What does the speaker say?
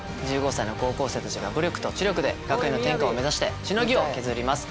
１５歳の高校生たちが武力と知力で学園の天下を目指してしのぎを削ります。